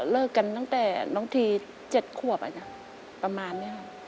เลิกกันตั้งแต่น้องที๗ขวบอ่ะจ้ะประมาณนี้ค่ะ